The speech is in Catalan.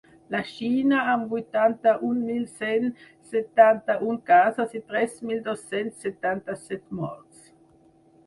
La Xina, amb vuitanta-un mil cent setanta-un casos i tres mil dos-cents setanta-set morts.